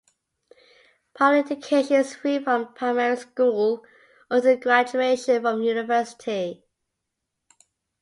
Public education is free from primary school until graduation from university.